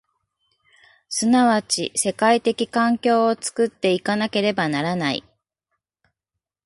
即ち世界的環境を作って行かなければならない。